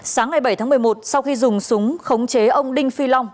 sáng ngày bảy tháng một mươi một sau khi dùng súng khống chế ông đinh phi long